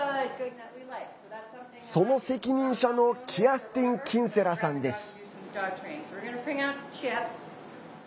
その責任者のキアスティン・キンセラさんです。